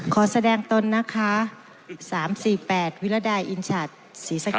ขอแสดงตนนะคะ๓๔๘วิรดายอินชัดศรีสะเก